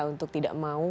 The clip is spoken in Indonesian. untuk tidak mau